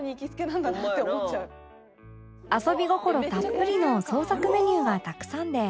遊び心たっぷりの創作メニューがたくさんで